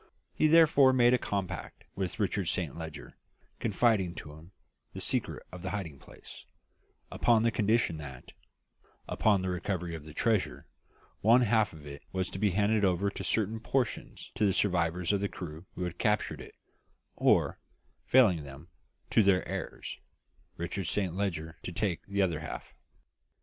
He therefore made a compact with Richard Saint Leger, confiding to him the secret of the hiding place, upon the condition that, upon the recovery of the treasure, one half of it was to be handed over in certain proportions to the survivors of the crew who had captured it, or, failing them, to their heirs; Richard Saint Leger to take the other half.